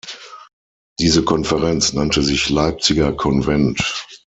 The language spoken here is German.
Diese Konferenz nannte sich Leipziger Konvent.